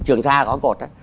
trường xa có cột đó